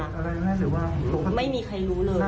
ไม่มีใครรู้เลยว่าเขาเป็นยังไง